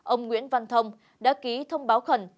ông nguyễn văn thông đã ký thông báo khẩn